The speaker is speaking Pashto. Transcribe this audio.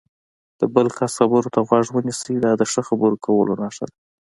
د بل کس خبرو ته غوږ ونیسئ، دا د ښه خبرو کولو نښه ده.